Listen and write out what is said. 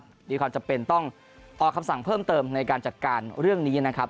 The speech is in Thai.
มีความจำเป็นต้องออกคำสั่งเพิ่มเติมในการจัดการเรื่องนี้นะครับ